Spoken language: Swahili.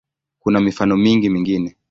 Kuna mifano mingi mingine.